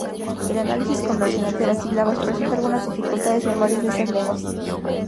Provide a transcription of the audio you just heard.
El análisis convencional de las sílabas presenta algunas dificultades en varias de estas lenguas.